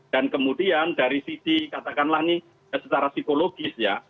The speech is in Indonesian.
dan kemudian dari sisi katakanlah nih secara psikologis ya